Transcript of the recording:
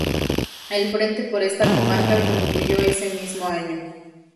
El frente por esta comarca concluyó ese mismo año.